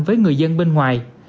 với người dân bên ngoài